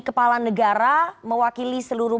kepala negara mewakili seluruh